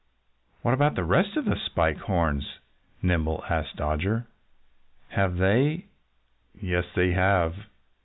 "What about the rest of the Spike Horns?" Nimble asked Dodger. "Have they " "Yes, they have!"